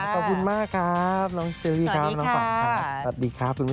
ขอบคุณมากครับน้องเจลี่ครับน้องฝังสวัสดีครับ